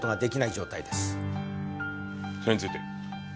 それについて。